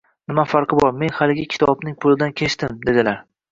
Nima farqi bor?! Men xaligi kitobning pulidan kechdim – dedilar.